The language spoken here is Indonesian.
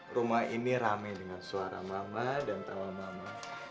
rumah ini rame dengan suara mama dan trauma mama